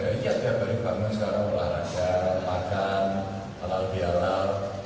iya jadi pak pakun sekarang olahraga makan halal bialal